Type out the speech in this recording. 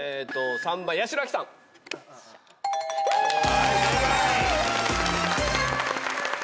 はい正解。